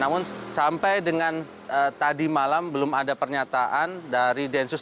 namun sampai dengan tadi malam belum ada pernyataan dari densus delapan puluh delapan